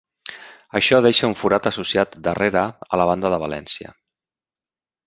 Això deixa un forat associat darrere, a la banda de valència.